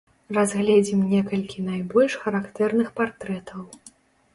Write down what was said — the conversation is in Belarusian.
Разгледзім некалькі найбольш характэрных партрэтаў.